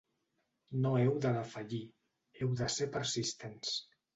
No heu de defallir, heu de ser persistents.